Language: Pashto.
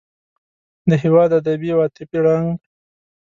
د هېواد ادبي او عاطفي رنګ.